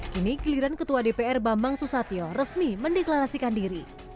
kini giliran ketua dpr bambang susatyo resmi mendeklarasikan diri